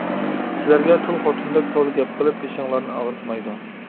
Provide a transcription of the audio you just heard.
سىلەرگە تۇل خوتۇندەك تولا گەپ قىلىپ، بېشىڭلارنى ئاغرىتمايدۇ.